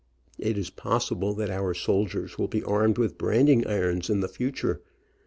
It is possible that our soldiers will be armed with brand ing irons in the future.